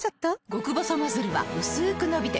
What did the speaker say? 極細ノズルはうすく伸びて